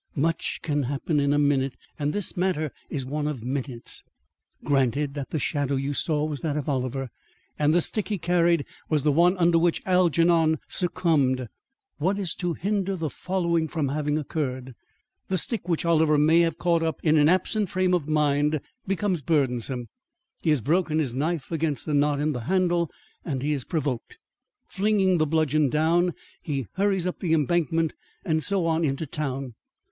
Much can happen in a minute, and this matter is one of minutes. Granted that the shadow you saw was that of Oliver, and the stick he carried was the one under which Algernon succumbed, what is to hinder the following from, having occurred. The stick which Oliver may have caught up in an absent frame of mind becomes burdensome; he has broken his knife against a knot in the handle and he is provoked. Flinging the bludgeon down, he hurries up the embankment and so on into town.